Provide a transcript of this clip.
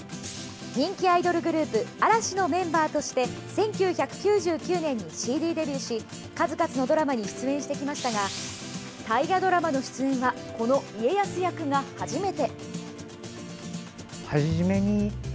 人気アイドルグループ嵐のメンバーとして１９９９年にＣＤデビューし数々のドラマに出演してきましたが大河ドラマの出演はこの家康役が初めて。